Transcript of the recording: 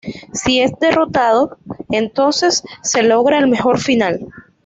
Si es derrotado, entonces se logra el mejor final.